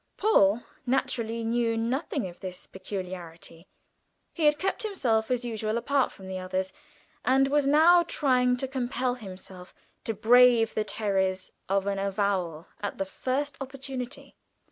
Paul naturally knew nothing of this peculiarity; he had kept himself as usual apart from the others, and was now trying to compel himself to brave the terrors of an avowal at the first opportunity.